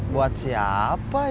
buat siapa ya